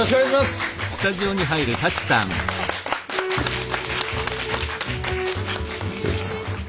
失礼します。